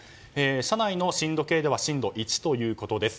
社内の震度計では震度１ということです。